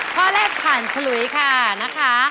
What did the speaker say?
ข้อเลขผ่านถูยค่ะนะคะ